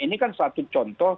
ini kan satu contoh